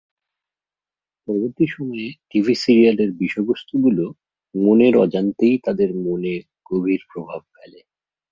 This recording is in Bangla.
পরবর্তী সময়ে টিভি সিরিয়ালের বিষয়বস্তুগুলো মনের অজান্তেই তাঁদের মনে গভীর প্রভাব ফেলে।